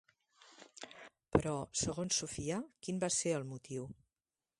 Però segons Sofia, quin va ser el motiu?